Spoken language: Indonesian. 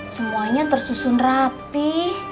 semuanya tersusun rapi